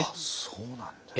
そうなんですか。